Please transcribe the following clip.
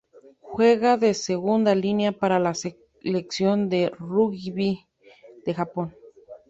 Juega de segunda línea para la selección de rugby de Japón.